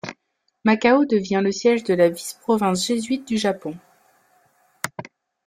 Macao devient le siège de la vice-province jésuite du Japon.